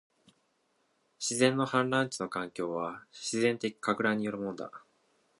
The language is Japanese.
自然の氾濫地の環境は、自然的撹乱によるものだ